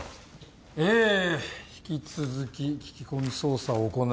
えぇ引き続き聞き込み捜査を行なう。